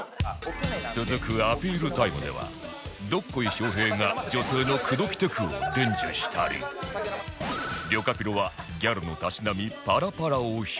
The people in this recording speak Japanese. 続くアピールタイムではどっこい翔平が女性の口説きテクを伝授したりりょかぴろはギャルのたしなみパラパラを披露